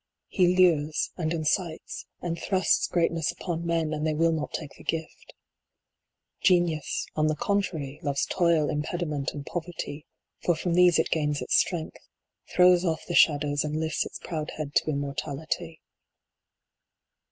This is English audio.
He lures, and incites, and thrusts greatness upon men, and they will not take the gift. Genius, on the contrary, loves toil, impediment, and poverty ; for from these it gains its strength, throws off the shadows, and lifts its proud head to immortality.